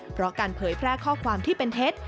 เพราะการเผยแพร่ข้อความที่เป็นเท็จ